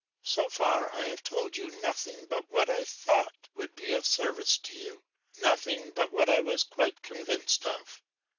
So far I have told you nothing but what I thought would be of service to you, nothing but what I was quite convinced of.